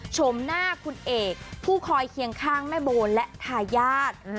ชมหน้าคุณเอกผู้คอยเคียงข้างแม่โบและทายาท